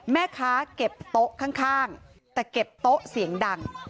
แม่ค้าเก็บโต๊ะข้างแต่เก็บโต๊ะเสียงดัง